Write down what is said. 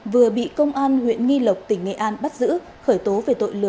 vừa bị công an huyện nghi lộc tỉnh nghệ an bắt giữ